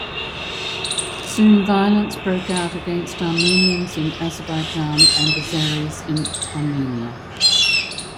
Soon, violence broke out against Armenians in Azerbaijan and Azeris in Armenia.